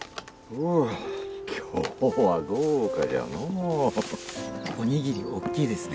今日は豪華じゃのうおにぎりおっきいですね